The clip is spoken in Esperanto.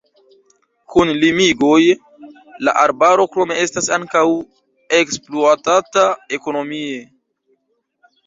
Kun limigoj la arbaro krome estas ankaŭ ekspluatata ekonomie.